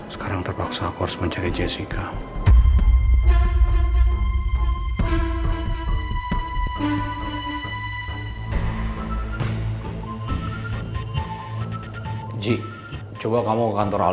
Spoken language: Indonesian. sekarang terpaksa aku harus mencari jessica